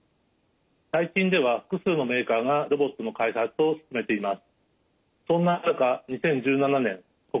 最近では複数のメーカーがロボットの開発を進めています。